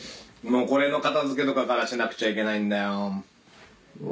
もうこれの片付けとかからしなくちゃいけないんだよ。